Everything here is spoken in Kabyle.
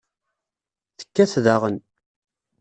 Tekkat daɣen.